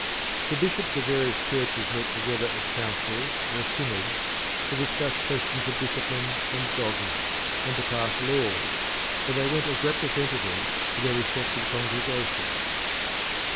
The bishops of various churches met together at councils or synods to discuss questions of discipline and dogma, and to pass laws, but they went as representatives of their respective congregations.